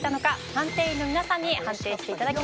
判定員の皆さんに判定していただきましょう。